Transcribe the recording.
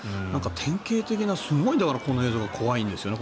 典型的なすごいだからこの映像怖いんですよね。